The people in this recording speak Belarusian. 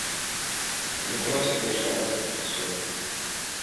Дык у нас і дзяржава так працуе.